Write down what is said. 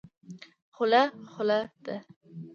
خوله خوله ده.